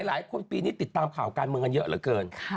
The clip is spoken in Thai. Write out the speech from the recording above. หลายคนปีนี้ติดตามข่าวการเมืองกันเยอะเหลือเกิน